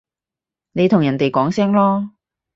你同人哋講聲囉